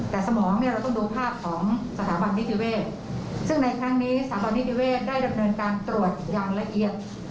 แต่สมองเนี่ยเราต้องดูภาพของสถาบันนิติเวศซึ่งในครั้งนี้สถาบันนิติเวศได้ดำเนินการตรวจอย่างละเอียด